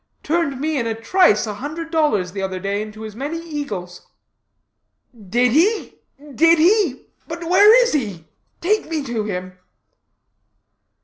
Turned me in a trice a hundred dollars the other day into as many eagles." "Did he? did he? But where is he? Take me to him."